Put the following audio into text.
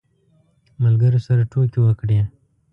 ملګرو سره ټوکې وکړې.